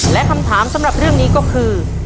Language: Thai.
และคำถามสำหรับเรื่องนี้ก็คือ